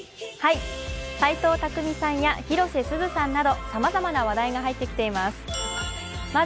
斎藤工さんや広瀬すずさんなどさまざまな話題が入ってきています。